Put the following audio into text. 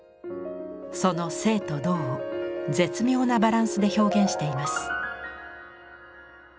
その静と動を絶妙なバランスで表現しています。